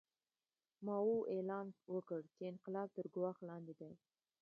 ماوو اعلان وکړ چې انقلاب تر ګواښ لاندې دی.